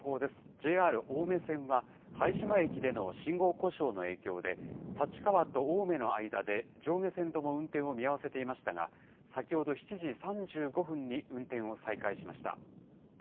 ＪＲ青梅線は、拝島駅での信号故障の影響で、立川と青梅の間で上下線とも運転を見合わせていましたが、先ほど７時３５分に運転を再開しました。